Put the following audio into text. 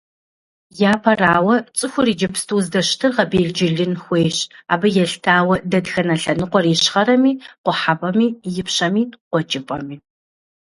Япэрауэ, цӀыхур иджыпсту здэщытыр гъэбелджылын хуейщ, абы елъытауэ дэтхэнэ лъэныкъуэр ищхъэрэми, къухьэпӀэми, ипщэми, къуэкӀыпӀэми.